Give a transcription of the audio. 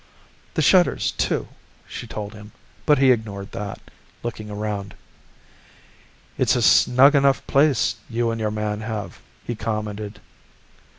"The shutters, too," she told him, but he ignored that, looking around. "It's a snug enough place you and your man have," he commented.